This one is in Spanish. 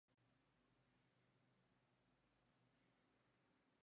Los tres realizaron sus investigaciones por separado, pero sus trabajos eran complementarios.